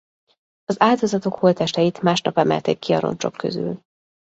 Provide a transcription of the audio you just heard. Az áldozatok holttesteit másnap emelték ki a roncsok közül.